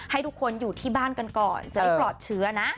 ให้ทุกคนอยู่ที่บ้านกันก่อนจะได้ปลอดเชื้อนะ